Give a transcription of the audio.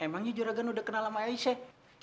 emangnya juragan udah kenal sama aisyah